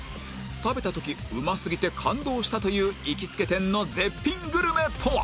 食べた時うますぎて感動したという行きつけ店の絶品グルメとは！？